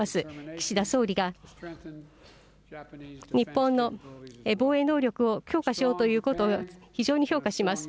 岸田総理が、日本の防衛能力を強化しようということを非常に評価します。